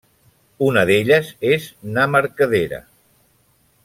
Una d’elles és na Mercadera.